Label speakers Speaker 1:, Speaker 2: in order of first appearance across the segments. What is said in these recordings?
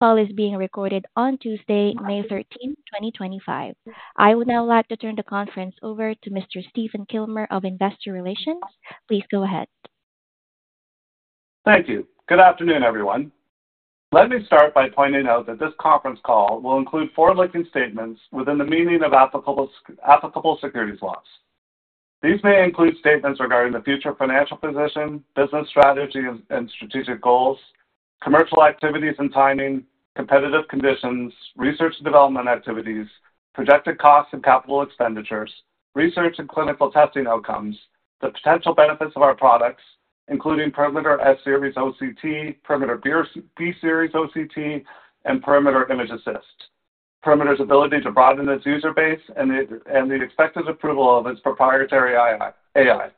Speaker 1: Call is being recorded on Tuesday, May 13, 2025. I would now like to turn the conference over to Mr. Stephen Kilmer of Investor Relations. Please go ahead.
Speaker 2: Thank you. Good afternoon, everyone. Let me start by pointing out that this conference call will include forward-looking statements within the meaning of applicable securities laws. These may include statements regarding the future financial position, business strategy and strategic goals, commercial activities and timing, competitive conditions, research and development activities, projected costs and capital expenditures, research and clinical testing outcomes, the potential benefits of our products, including Perimeter S-Series OCT, Perimeter B-Series OCT, and Perimeter ImgAssist, Perimeter's ability to broaden its user base, and the expected approval of its proprietary AI,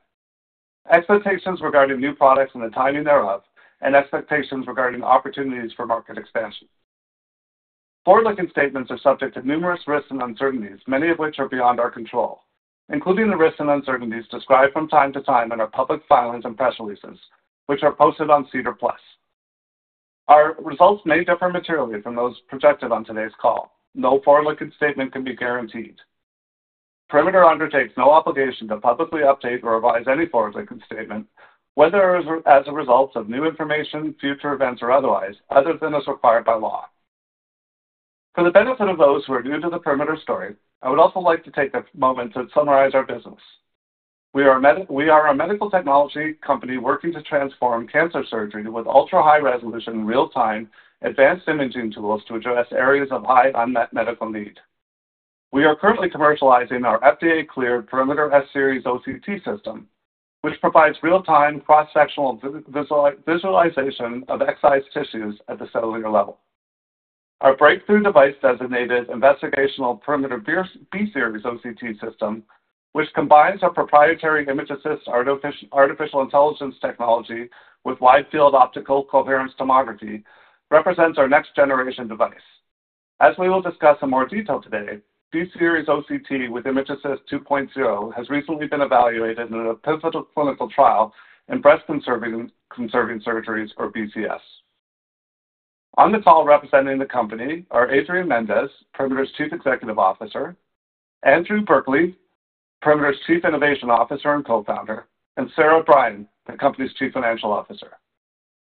Speaker 2: expectations regarding new products and the timing thereof, and expectations regarding opportunities for market expansion. Forward-looking statements are subject to numerous risks and uncertainties, many of which are beyond our control, including the risks and uncertainties described from time to time in our public filings and press releases, which are posted on SEDAR+. Our results may differ materially from those projected on today's call. No forward-looking statement can be guaranteed. Perimeter undertakes no obligation to publicly update or revise any forward-looking statement, whether as a result of new information, future events, or otherwise, other than as required by law. For the benefit of those who are new to the Perimeter story, I would also like to take a moment to summarize our business. We are a medical technology company working to transform cancer surgery with ultra-high resolution, real-time, advanced imaging tools to address areas of high unmet medical need. We are currently commercializing our FDA-cleared Perimeter S-Series OCT system, which provides real-time cross-sectional visualization of excised tissues at the cellular level. Our breakthrough device, designated investigational Perimeter B-Series OCT system, which combines our proprietary ImgAssist artificial intelligence technology with wide-field optical coherence tomography, represents our next-generation device. As we will discuss in more detail today, B-Series OCT with ImgAssist 2.0 has recently been evaluated in a pivotal clinical trial in breast conserving surgeries, or BCS. On the call representing the company are Adrian Mendes, Perimeter's Chief Executive Officer, Andrew Berkeley, Perimeter's Chief Innovation Officer and Co-founder, and Sara Brian, the company's Chief Financial Officer.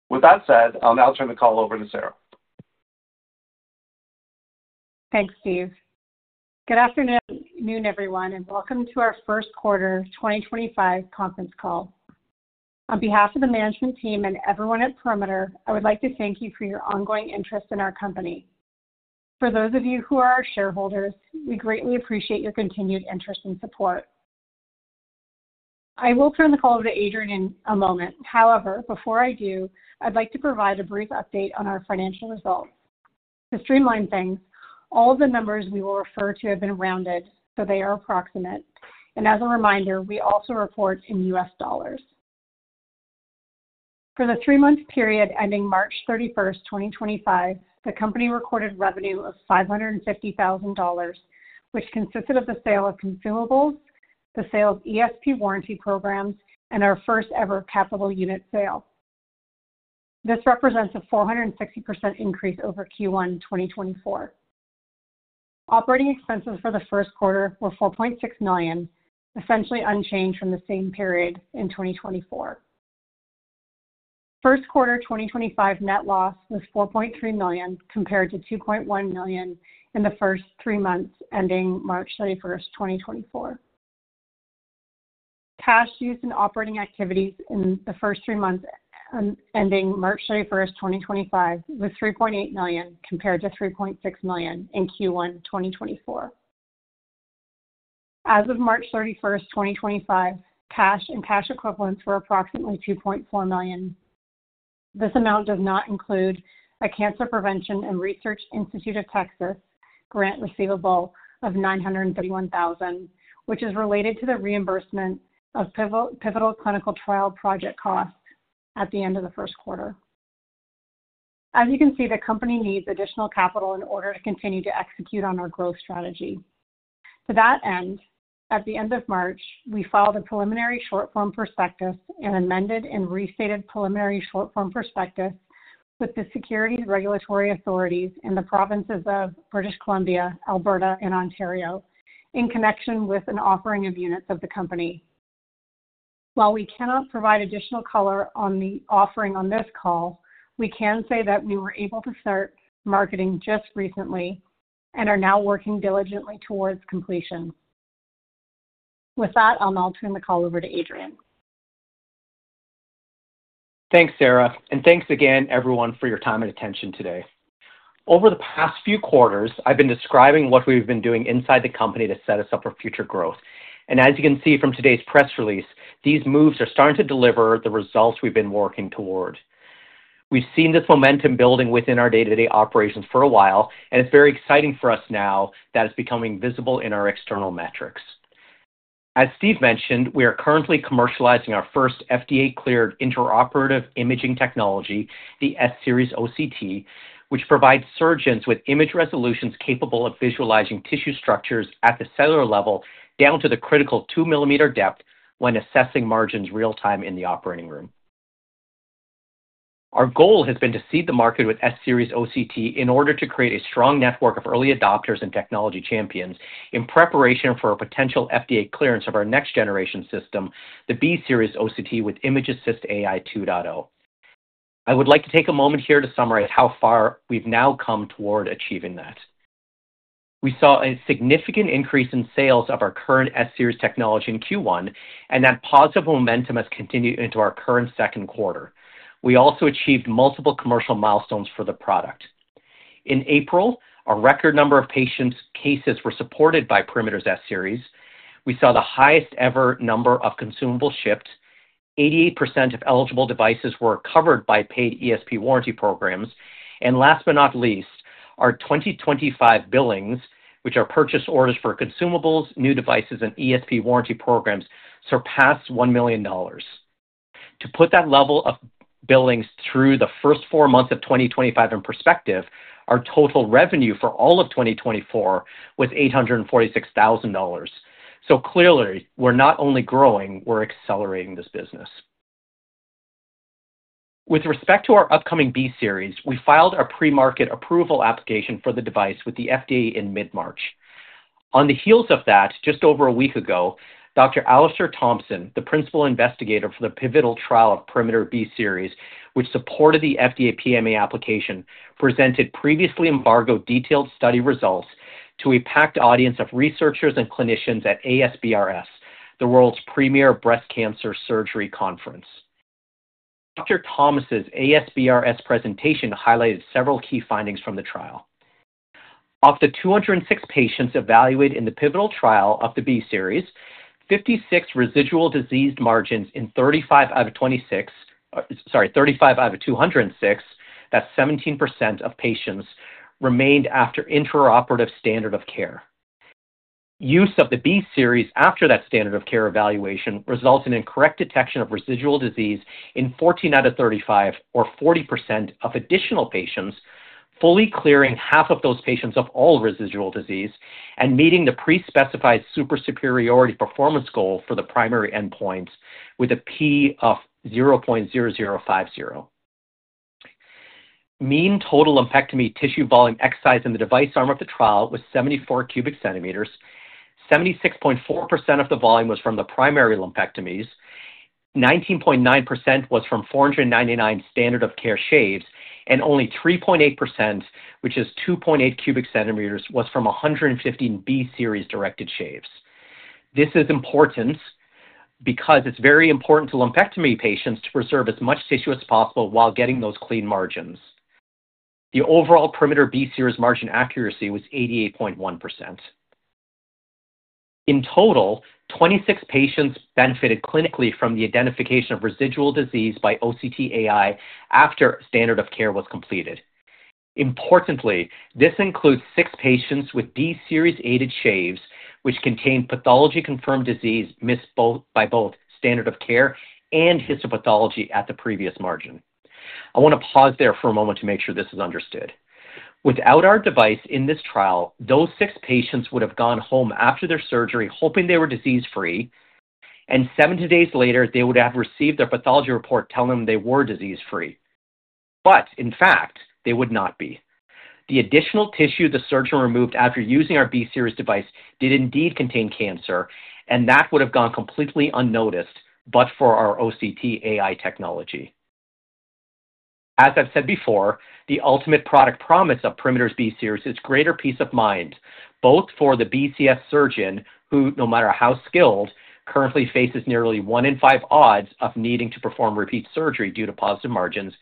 Speaker 2: With that said, I'll now turn the call over to Sara.
Speaker 3: Thanks, Steve. Good afternoon, everyone, and welcome to our First Quarter 2025 Conference Call. On behalf of the management team and everyone at Perimeter, I would like to thank you for your ongoing interest in our company. For those of you who are our shareholders, we greatly appreciate your continued interest and support. I will turn the call over to Adrian in a moment. However, before I do, I'd like to provide a brief update on our financial results. To streamline things, all of the numbers we will refer to have been rounded, so they are approximate. As a reminder, we also report in U.S. dollars. For the three-month period ending March 31st, 2025, the company recorded revenue of $550,000, which consisted of the sale of consumables, the sale of ESP warranty programs, and our first-ever capital unit sale. This represents a 460% increase over Q1 2024. Operating expenses for the first quarter were $4.6 million, essentially unchanged from the same period in 2024. First quarter 2025 net loss was $4.3 million, compared to $2.1 million in the first three months ending March 31st, 2024. Cash used in operating activities in the first three months ending March 31st, 2025, was $3.8 million, compared to $3.6 million in Q1 2024. As of March 31st, 2025, cash and cash equivalents were approximately $2.4 million. This amount does not include a Cancer Prevention and Research Institute of Texas grant receivable of $931,000, which is related to the reimbursement of pivotal clinical trial project costs at the end of the first quarter. As you can see, the company needs additional capital in order to continue to execute on our growth strategy. To that end, at the end of March, we filed a preliminary short-form prospectus and amended and restated preliminary short-form prospectus with the securities regulatory authorities in the provinces of British Columbia, Alberta, and Ontario in connection with an offering of units of the company. While we cannot provide additional color on the offering on this call, we can say that we were able to start marketing just recently and are now working diligently towards completion. With that, I'll now turn the call over to Adrian.
Speaker 4: Thanks, Sara. Thanks again, everyone, for your time and attention today. Over the past few quarters, I've been describing what we've been doing inside the company to set us up for future growth. As you can see from today's press release, these moves are starting to deliver the results we've been working toward. We've seen this momentum building within our day-to-day operations for a while, and it's very exciting for us now that it's becoming visible in our external metrics. As Steve mentioned, we are currently commercializing our first FDA-cleared intraoperative imaging technology, the S-Series OCT, which provides surgeons with image resolutions capable of visualizing tissue structures at the cellular level down to the critical 2 ml depth when assessing margins real-time in the operating room. Our goal has been to seed the market with S-Series OCT in order to create a strong network of early adopters and technology champions in preparation for a potential FDA clearance of our next-generation system, the B-Series OCT with ImgAssist AI 2.0. I would like to take a moment here to summarize how far we've now come toward achieving that. We saw a significant increase in sales of our current S-Series technology in Q1, and that positive momentum has continued into our current second quarter. We also achieved multiple commercial milestones for the product. In April, a record number of patients' cases were supported by Perimeter's S-Series. We saw the highest-ever number of consumables shipped, 88% of eligible devices were covered by paid ESP warranty programs, and last but not least, our 2025 billings, which are purchase orders for consumables, new devices, and ESP warranty programs, surpassed $1 million. To put that level of billings through the first four months of 2025 in perspective, our total revenue for all of 2024 was $846,000. Clearly, we're not only growing, we're accelerating this business. With respect to our upcoming B-Series, we filed a pre-market approval application for the device with the FDA in mid-March. On the heels of that, just over a week ago, Dr. Alastair Thompson, the principal investigator for the pivotal trial of Perimeter B-Series, which supported the FDA PMA application, presented previously embargoed detailed study results to a packed audience of researchers and clinicians at ASBrS, the world's premier breast cancer surgery conference. Dr. Thompson's ASBrS presentation highlighted several key findings from the trial. Of the 206 patients evaluated in the pivotal trial of the B-Series, 56 residual diseased margins in 35 out of 206, that's 17% of patients, remained after intraoperative standard of care. Use of the B-Series after that standard of care evaluation resulted in correct detection of residual disease in 14 out of 35, or 40% of additional patients, fully clearing half of those patients of all residual disease and meeting the pre-specified supersuperiority performance goal for the primary endpoints with a P of 0.0050. Mean total lumpectomy tissue volume excised in the device arm of the trial was 74 cu cm. 76.4% of the volume was from the primary lumpectomies. 19.9% was from 499 standard of care shaves, and only 3.8%, which is 2.8 cu cm, was from 115 B-Series directed shaves. This is important because it's very important to lumpectomy patients to preserve as much tissue as possible while getting those clean margins. The overall Perimeter B-Series margin accuracy was 88.1%. In total, 26 patients benefited clinically from the identification of residual disease by OCT AI after standard of care was completed. Importantly, this includes six patients with B-Series aided shaves, which contained pathology-confirmed disease missed by both standard of care and histopathology at the previous margin. I want to pause there for a moment to make sure this is understood. Without our device in this trial, those six patients would have gone home after their surgery hoping they were disease-free, and 70 days later, they would have received their pathology report telling them they were disease-free. In fact, they would not be. The additional tissue the surgeon removed after using our B-Series device did indeed contain cancer, and that would have gone completely unnoticed, but for our OCT AI technology. As I've said before, the ultimate product promise of Perimeter's B-Series is greater peace of mind, both for the BCS surgeon, who no matter how skilled, currently faces nearly one in five odds of needing to perform repeat surgery due to positive margins,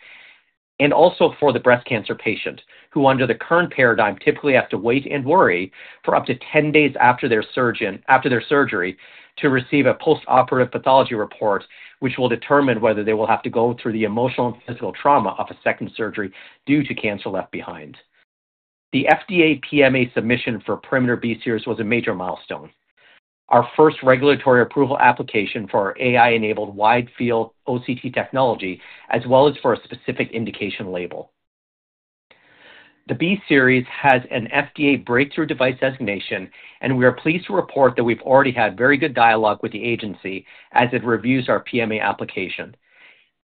Speaker 4: and also for the breast cancer patient, who under the current paradigm typically has to wait and worry for up to 10 days after their surgery to receive a post-operative pathology report, which will determine whether they will have to go through the emotional and physical trauma of a second surgery due to cancer left behind. The FDA PMA submission for Perimeter B-Series was a major milestone, our first regulatory approval application for our AI-enabled wide-field OCT technology, as well as for a specific indication label. The B-Series has an FDA breakthrough device designation, and we are pleased to report that we've already had very good dialogue with the agency as it reviews our PMA application.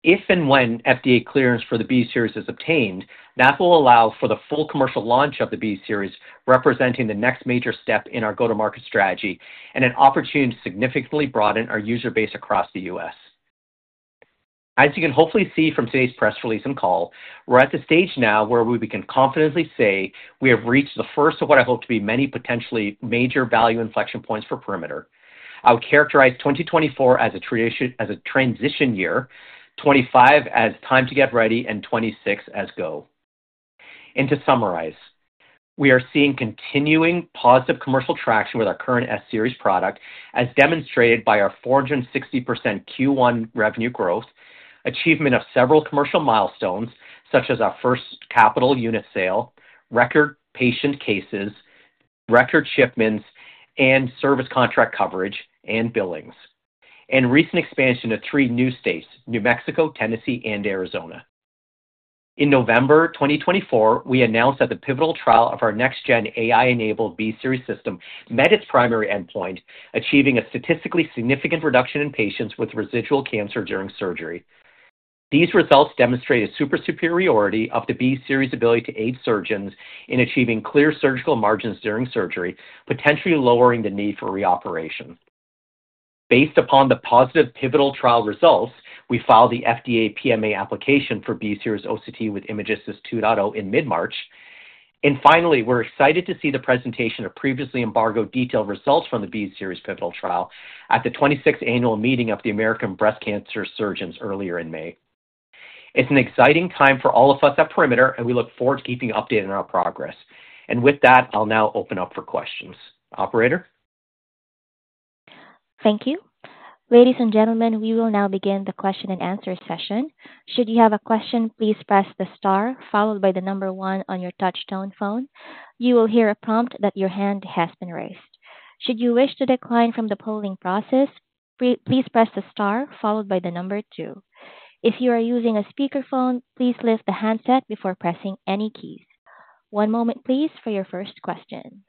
Speaker 4: If and when FDA clearance for the B-Series is obtained, that will allow for the full commercial launch of the B-Series, representing the next major step in our go-to-market strategy and an opportunity to significantly broaden our user base across the U.S. As you can hopefully see from today's press release and call, we're at the stage now where we can confidently say we have reached the first of what I hope to be many potentially major value inflection points for Perimeter. I would characterize 2024 as a transition year, 2025 as time to get ready, and 2026 as go. To summarize, we are seeing continuing positive commercial traction with our current S-Series product, as demonstrated by our 460% Q1 revenue growth, achievement of several commercial milestones, such as our first capital unit sale, record patient cases, record shipments, and service contract coverage and billings, and recent expansion to three new states: New Mexico, Tennessee, and Arizona. In November 2024, we announced that the pivotal trial of our next-gen AI-enabled B-Series system met its primary endpoint, achieving a statistically significant reduction in patients with residual cancer during surgery. These results demonstrate a supersuperiority of the B-Series' ability to aid surgeons in achieving clear surgical margins during surgery, potentially lowering the need for reoperation. Based upon the positive pivotal trial results, we filed the FDA PMA application for B-Series OCT with ImgAssist 2.0 in mid-March. Finally, we're excited to see the presentation of previously embargoed detailed results from the B-Series pivotal trial at the 26th Annual Meeting of the American Breast Cancer Surgeons earlier in May. It's an exciting time for all of us at Perimeter, and we look forward to keeping you updated on our progress. With that, I'll now open up for questions. Operator?
Speaker 1: Thank you. Ladies and gentlemen, we will now begin the question and answer session. Should you have a question, please press the star, followed by the number one on your touch-tone phone. You will hear a prompt that your hand has been raised. Should you wish to decline from the polling process, please press the star, followed by the number two. If you are using a speakerphone, please lift the handset before pressing any keys. One moment, please, for your first question.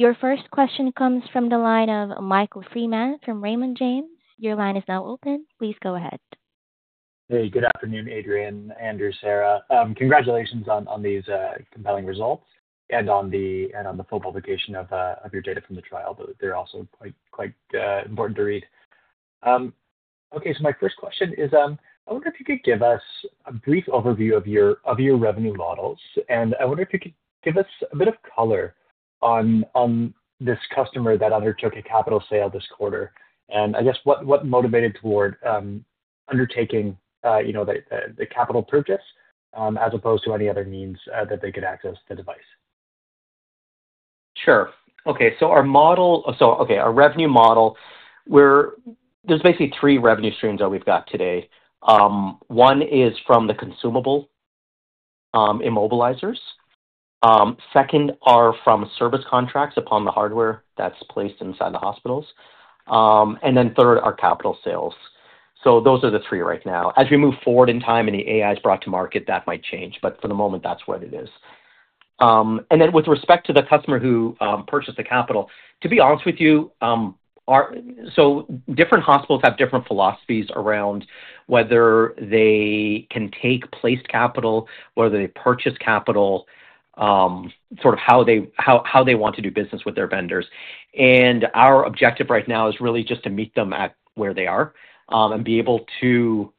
Speaker 1: Your first question comes from the line of Michael Freeman from Raymond James. Your line is now open. Please go ahead.
Speaker 5: Hey, good afternoon, Adrian, Andrew, Sara. Congratulations on these compelling results and on the full publication of your data from the trial. They're also quite important to read. Okay, my first question is, I wonder if you could give us a brief overview of your revenue models, and I wonder if you could give us a bit of color on this customer that undertook a capital sale this quarter. I guess what motivated toward undertaking the capital purchase as opposed to any other means that they could access the device?
Speaker 4: Sure. Okay, so our revenue model, there's basically three revenue streams that we've got today. One is from the consumable immobilizers. Second are from service contracts upon the hardware that's placed inside the hospitals. Third are capital sales. Those are the three right now. As we move forward in time and the AI is brought to market, that might change, but for the moment, that's what it is. With respect to the customer who purchased the capital, to be honest with you, different hospitals have different philosophies around whether they can take placed capital, whether they purchase capital, sort of how they want to do business with their vendors. Our objective right now is really just to meet them at where they are and be able to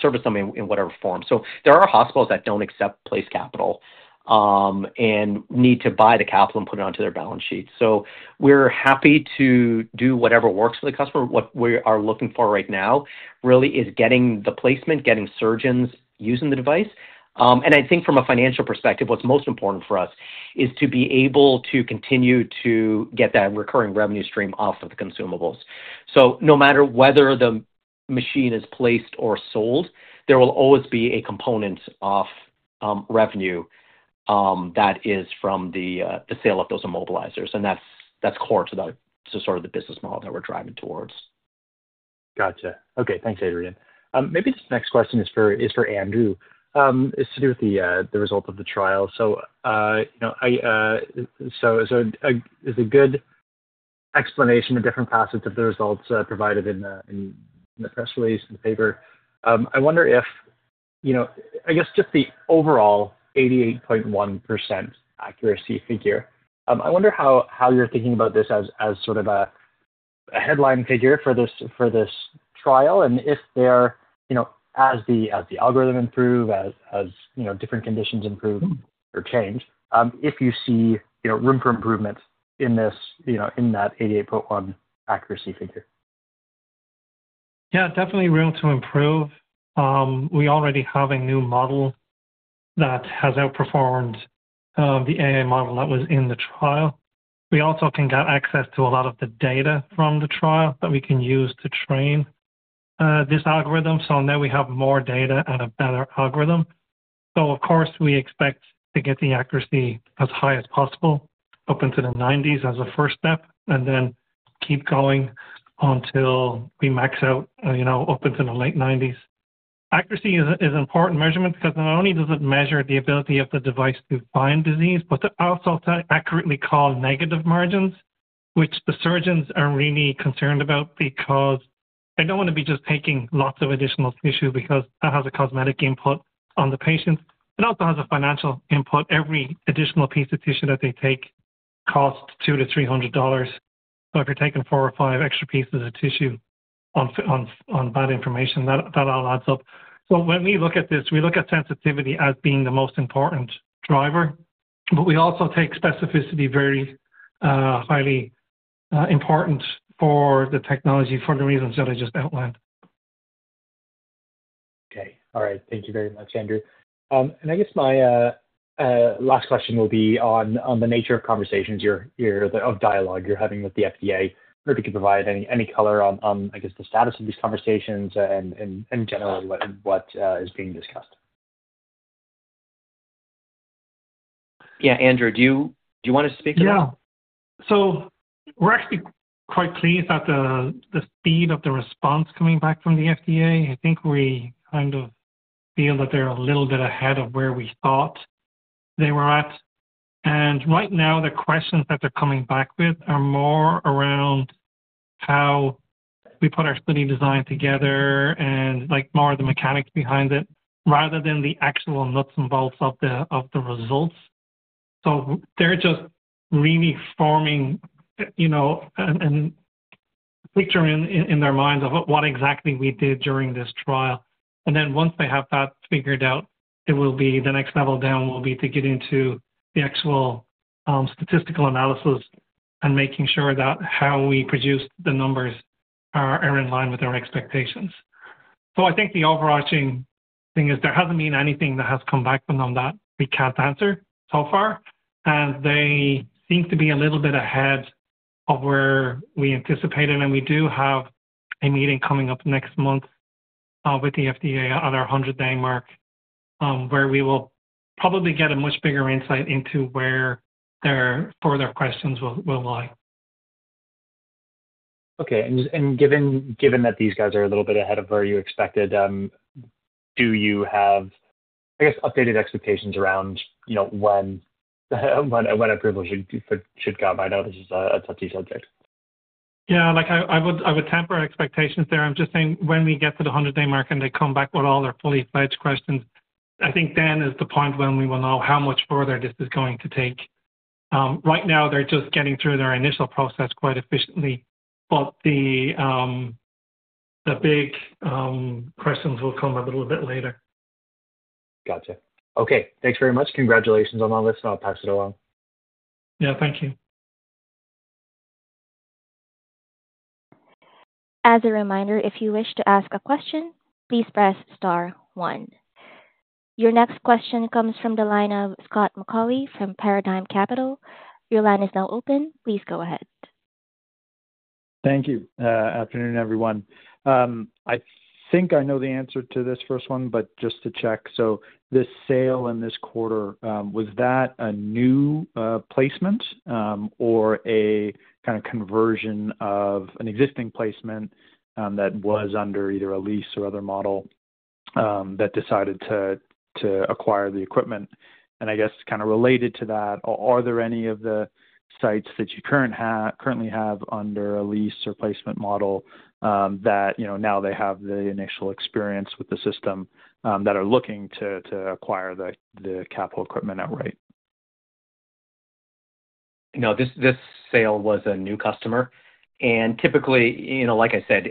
Speaker 4: service them in whatever form. There are hospitals that do not accept placed capital and need to buy the capital and put it onto their balance sheet. We are happy to do whatever works for the customer. What we are looking for right now really is getting the placement, getting surgeons using the device. I think from a financial perspective, what is most important for us is to be able to continue to get that recurring revenue stream off of the consumables. No matter whether the machine is placed or sold, there will always be a component of revenue that is from the sale of those immobilizers. That is core to the business model that we are driving towards.
Speaker 5: Gotcha. Okay, thanks, Adrian. Maybe this next question is for Andrew. It's to do with the result of the trial. So it's a good explanation of different facets of the results provided in the press release, in the paper. I wonder if, I guess, just the overall 88.1% accuracy figure, I wonder how you're thinking about this as sort of a headline figure for this trial and if there, as the algorithm improves, as different conditions improve or change, if you see room for improvement in that 88.1% accuracy figure?
Speaker 6: Yeah, definitely room to improve. We already have a new model that has outperformed the AI model that was in the trial. We also can get access to a lot of the data from the trial that we can use to train this algorithm. Now we have more data and a better algorithm. Of course, we expect to get the accuracy as high as possible, up into the 90s as a first step, and then keep going until we max out, up into the late 90s. Accuracy is an important measurement because not only does it measure the ability of the device to find disease, but it also accurately calls negative margins, which the surgeons are really concerned about because they do not want to be just taking lots of additional tissue because that has a cosmetic input on the patients. It also has a financial input. Every additional piece of tissue that they take costs $200-$300. If you're taking four or five extra pieces of tissue on bad information, that all adds up. When we look at this, we look at sensitivity as being the most important driver, but we also take specificity as very highly important for the technology for the reasons that I just outlined.
Speaker 5: Okay. All right. Thank you very much, Andrew. I guess my last question will be on the nature of conversations or dialogue you're having with the FDA. If you could provide any color on, I guess, the status of these conversations and in general, what is being discussed.
Speaker 4: Yeah, Andrew, do you want to speak to that?
Speaker 6: Yeah. So we're actually quite pleased at the speed of the response coming back from the FDA. I think we kind of feel that they're a little bit ahead of where we thought they were at. Right now, the questions that they're coming back with are more around how we put our study design together and more of the mechanics behind it rather than the actual nuts and bolts of the results. They're just really forming a picture in their minds of what exactly we did during this trial. Once they have that figured out, the next level down will be to get into the actual statistical analysis and making sure that how we produced the numbers are in line with our expectations. I think the overarching thing is there hasn't been anything that has come back from them that we can't answer so far. They seem to be a little bit ahead of where we anticipated. We do have a meeting coming up next month with the FDA on our 100-day mark, where we will probably get a much bigger insight into where their further questions will lie.
Speaker 5: Okay. Given that these guys are a little bit ahead of where you expected, do you have, I guess, updated expectations around when approval should come? I know this is a tough subject.
Speaker 6: Yeah, I would temper expectations there. I'm just saying when we get to the 100-day mark and they come back with all their fully fledged questions, I think then is the point when we will know how much further this is going to take. Right now, they're just getting through their initial process quite efficiently, but the big questions will come a little bit later.
Speaker 5: Gotcha. Okay. Thanks very much. Congratulations on all this. I'll pass it along.
Speaker 6: Yeah, thank you.
Speaker 1: As a reminder, if you wish to ask a question, please press star one. Your next question comes from the line of Scott McAuley from Paradigm Capital. Your line is now open. Please go ahead.
Speaker 7: Thank you. Afternoon, everyone. I think I know the answer to this first one, but just to check. This sale in this quarter, was that a new placement or a kind of conversion of an existing placement that was under either a lease or other model that decided to acquire the equipment? I guess kind of related to that, are there any of the sites that you currently have under a lease or placement model that now they have the initial experience with the system that are looking to acquire the capital equipment outright?
Speaker 4: No, this sale was a new customer. Typically, like I said,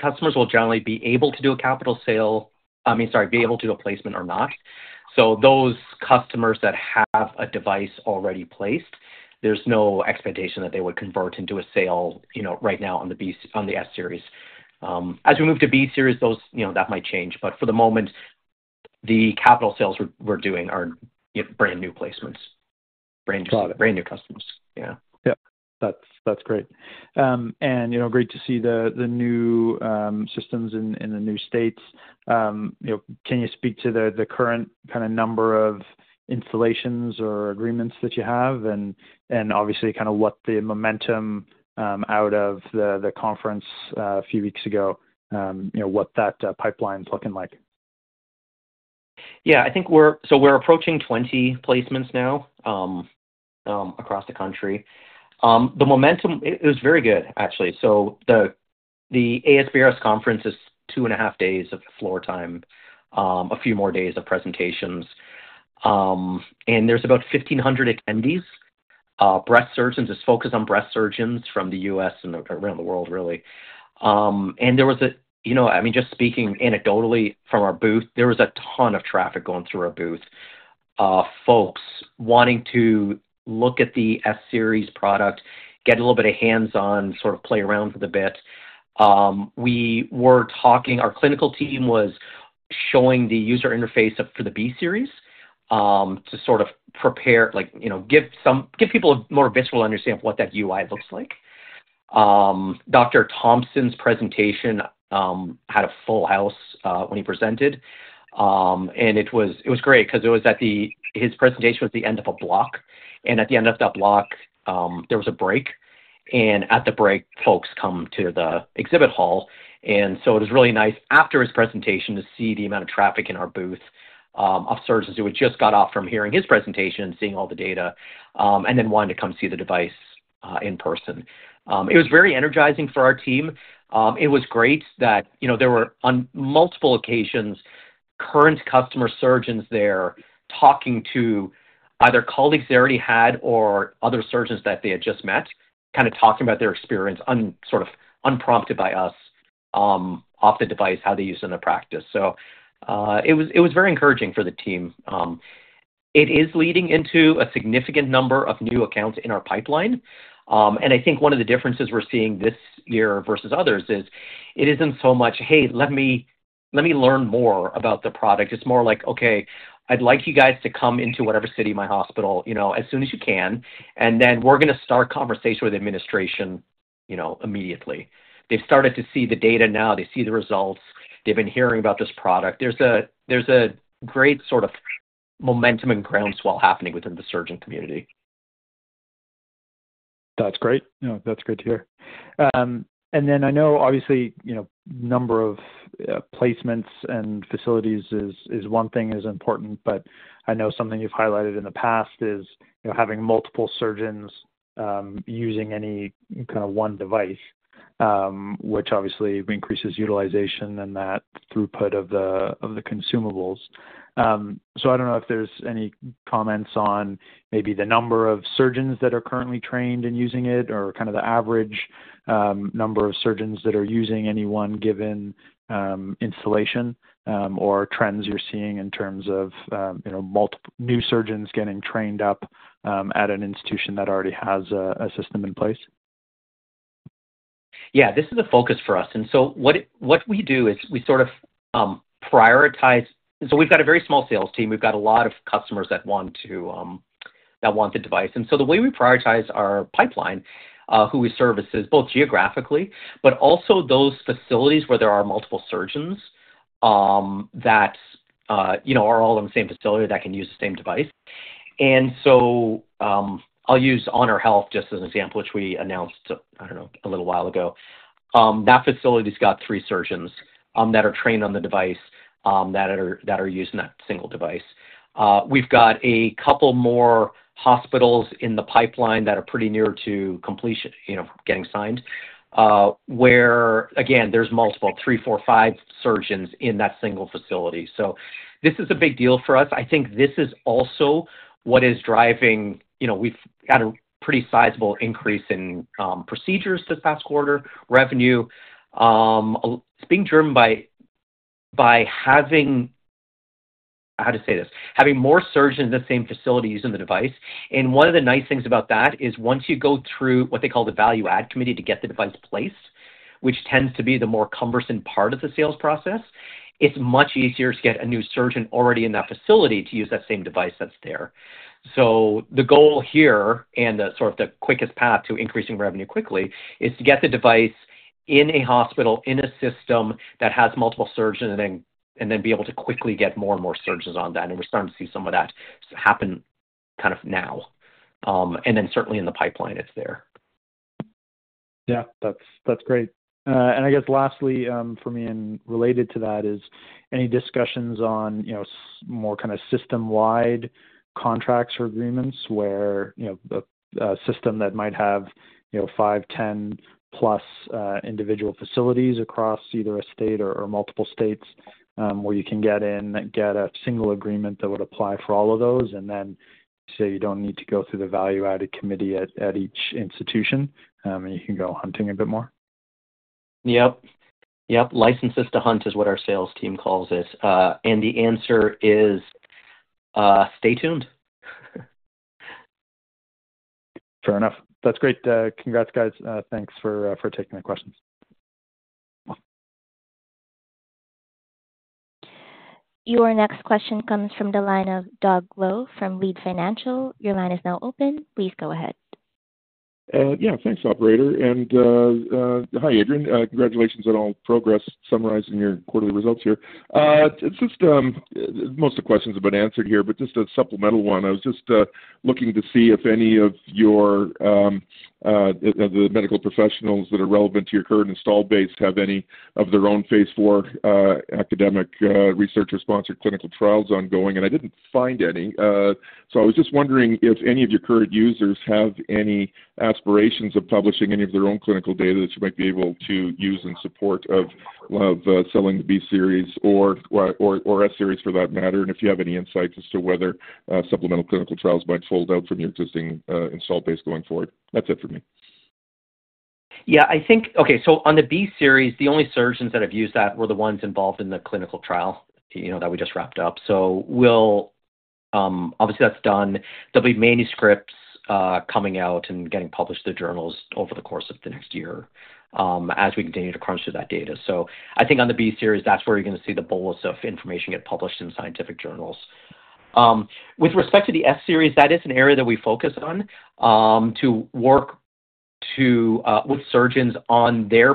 Speaker 4: customers will generally be able to do a capital sale, I mean, sorry, be able to do a placement or not. Those customers that have a device already placed, there is no expectation that they would convert into a sale right now on the S-Series. As we move to B-Series, that might change. For the moment, the capital sales we are doing are brand new placements, brand new customers. Yeah.
Speaker 7: Yep. That's great. Great to see the new systems in the new states. Can you speak to the current kind of number of installations or agreements that you have? Obviously, kind of what the momentum out of the conference a few weeks ago, what that pipeline is looking like?
Speaker 4: Yeah. We're approaching 20 placements now across the country. The momentum is very good, actually. The ASBrS conference is two and a half days of floor time, a few more days of presentations. There's about 1,500 attendees. Breast surgeons is focused on breast surgeons from the U.S. and around the world, really. There was a, I mean, just speaking anecdotally from our booth, there was a ton of traffic going through our booth, folks wanting to look at the S-Series product, get a little bit of hands-on, sort of play around with it a bit. We were talking, our clinical team was showing the user interface for the B-Series to sort of prepare, give people a more visual understanding of what that UI looks like. Dr. Thompson's presentation had a full house when he presented. It was great because his presentation was the end of a block. At the end of that block, there was a break. At the break, folks come to the exhibit hall. It was really nice after his presentation to see the amount of traffic in our booth of surgeons who had just got off from hearing his presentation and seeing all the data, and then wanted to come see the device in person. It was very energizing for our team. It was great that there were, on multiple occasions, current customer surgeons there talking to either colleagues they already had or other surgeons that they had just met, kind of talking about their experience sort of unprompted by us off the device, how they use it in their practice. It was very encouraging for the team. It is leading into a significant number of new accounts in our pipeline. I think one of the differences we are seeing this year versus others is it is not so much, "Hey, let me learn more about the product." It is more like, "Okay, I would like you guys to come into whatever city of my hospital as soon as you can. Then we are going to start conversation with administration immediately." They have started to see the data now. They see the results. They have been hearing about this product. There is a great sort of momentum and groundswell happening within the surgeon community.
Speaker 7: That's great. Yeah, that's great to hear. I know, obviously, a number of placements and facilities is one thing that's important. I know something you've highlighted in the past is having multiple surgeons using any kind of one device, which obviously increases utilization and that throughput of the consumables. I don't know if there's any comments on maybe the number of surgeons that are currently trained in using it or kind of the average number of surgeons that are using any one given installation or trends you're seeing in terms of new surgeons getting trained up at an institution that already has a system in place?
Speaker 4: Yeah, this is a focus for us. What we do is we sort of prioritize. We've got a very small sales team. We've got a lot of customers that want the device. The way we prioritize our pipeline, who we service, is both geographically, but also those facilities where there are multiple surgeons that are all in the same facility that can use the same device. I'll use HonorHealth just as an example, which we announced, I don't know, a little while ago. That facility's got three surgeons that are trained on the device that are using that single device. We've got a couple more hospitals in the pipeline that are pretty near to completion, getting signed, where, again, there's multiple, three, four, five surgeons in that single facility. This is a big deal for us. I think this is also what is driving we've had a pretty sizable increase in procedures this past quarter, revenue. It's being driven by having—how do you say this?—having more surgeons in the same facility using the device. One of the nice things about that is once you go through what they call the value-add committee to get the device placed, which tends to be the more cumbersome part of the sales process, it's much easier to get a new surgeon already in that facility to use that same device that's there. The goal here and sort of the quickest path to increasing revenue quickly is to get the device in a hospital, in a system that has multiple surgeons, and then be able to quickly get more and more surgeons on that. We're starting to see some of that happen kind of now. Certainly in the pipeline, it's there.
Speaker 7: Yeah, that's great. I guess lastly, for me, and related to that, is any discussions on more kind of system-wide contracts or agreements where a system that might have five, 10+ individual facilities across either a state or multiple states where you can get in, get a single agreement that would apply for all of those, and then say you don't need to go through the value-added committee at each institution, and you can go hunting a bit more?
Speaker 4: Yep. Yep. Licenses to hunt is what our sales team calls it. The answer is stay tuned.
Speaker 7: Fair enough. That's great. Congrats, guys. Thanks for taking the questions.
Speaker 1: Your next question comes from [Doug Lowe] from [Reed Financial]. Your line is now open. Please go ahead.
Speaker 8: Yeah. Thanks, Operator. Hi, Adrian. Congratulations on all progress summarizing your quarterly results here. Most of the questions have been answered here, but just a supplemental one. I was just looking to see if any of the medical professionals that are relevant to your current installed base have any of their own phase IV academic research or sponsored clinical trials ongoing. I did not find any. I was just wondering if any of your current users have any aspirations of publishing any of their own clinical data that you might be able to use in support of selling the B-Series or S-Series for that matter, and if you have any insights as to whether supplemental clinical trials might fold out from your existing installed base going forward. That is it for me.
Speaker 4: Yeah. Okay. So on the B-Series, the only surgeons that have used that were the ones involved in the clinical trial that we just wrapped up. So obviously, that's done. There will be manuscripts coming out and getting published to journals over the course of the next year as we continue to crunch through that data. I think on the B-Series, that's where you're going to see the bowls of information get published in scientific journals. With respect to the S-Series, that is an area that we focus on to work with surgeons on their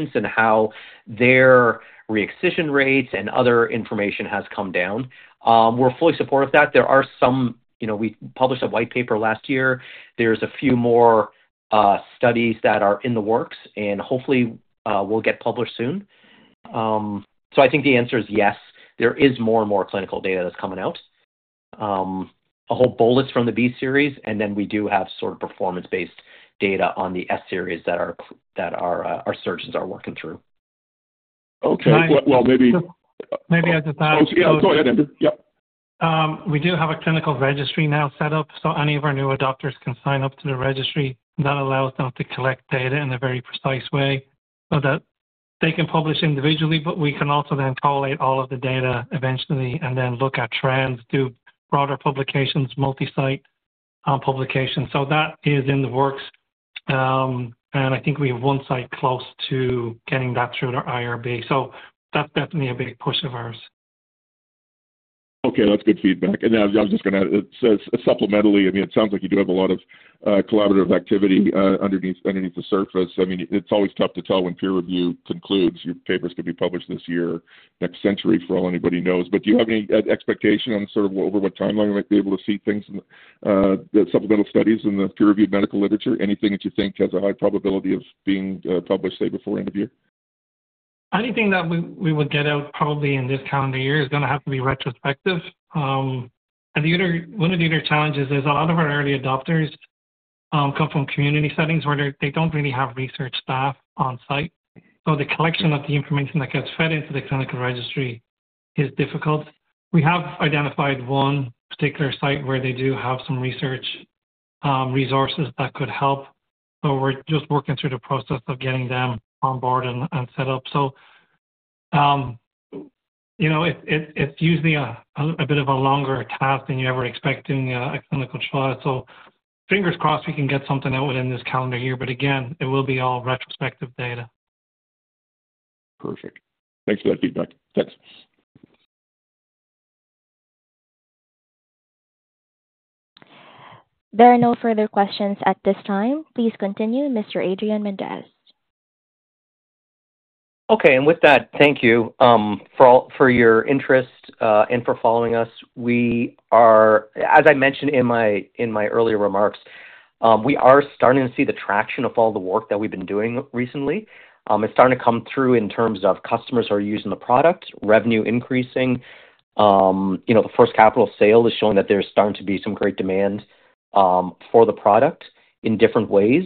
Speaker 4: performance and how their re-excision rates and other information has come down. We're fully supportive of that. There are some—we published a white paper last year. There are a few more studies that are in the works, and hopefully, we'll get published soon. I think the answer is yes. There is more and more clinical data that's coming out, a whole bowl that's from the B-Series, and then we do have sort of performance-based data on the S-Series that our surgeons are working through.
Speaker 8: Okay. Maybe.
Speaker 6: Maybe I just add.
Speaker 7: Oh, yeah. Go ahead, Andrew. Yep.
Speaker 6: We do have a clinical registry now set up. Any of our new adopters can sign up to the registry. That allows them to collect data in a very precise way so that they can publish individually, but we can also then collate all of the data eventually and then look at trends, do broader publications, multi-site publications. That is in the works. I think we have one site close to getting that through to IRB. That is definitely a big push of ours.
Speaker 8: Okay. That's good feedback. I was just going to add, supplementally, I mean, it sounds like you do have a lot of collaborative activity underneath the surface. I mean, it's always tough to tell when peer review concludes. Your papers could be published this year, next century, for all anybody knows. Do you have any expectation on sort of over what timeline we might be able to see things, the supplemental studies in the peer-reviewed medical literature? Anything that you think has a high probability of being published, say, before end of year?
Speaker 6: Anything that we would get out probably in this calendar year is going to have to be retrospective. One of the other challenges is a lot of our early adopters come from community settings where they do not really have research staff on site. The collection of the information that gets fed into the clinical registry is difficult. We have identified one particular site where they do have some research resources that could help. We are just working through the process of getting them on board and set up. It is usually a bit of a longer task than you ever expect doing a clinical trial. Fingers crossed we can get something out within this calendar year. Again, it will be all retrospective data.
Speaker 8: Perfect. Thanks for that feedback. Thanks.
Speaker 1: There are no further questions at this time. Please continue, Mr. Adrian Mendes.
Speaker 4: Okay. Thank you for your interest and for following us. As I mentioned in my earlier remarks, we are starting to see the traction of all the work that we've been doing recently. It's starting to come through in terms of customers who are using the product, revenue increasing. The first capital sale is showing that there's starting to be some great demand for the product in different ways.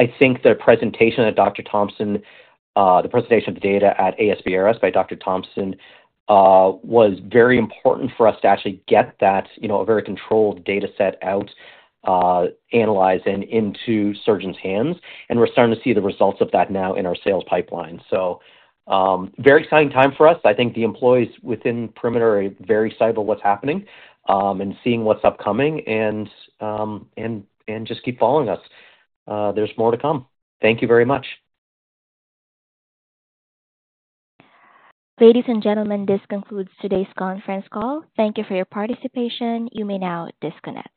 Speaker 4: I think the presentation of the data at ASBrS by Dr. Thompson was very important for us to actually get that very controlled data set out, analyzed and into surgeons' hands. We are starting to see the results of that now in our sales pipeline. Very exciting time for us. I think the employees within Perimeter are very excited about what's happening and seeing what's upcoming and just keep following us. There's more to come. Thank you very much.
Speaker 1: Ladies and gentlemen, this concludes today's conference call. Thank you for your participation. You may now disconnect.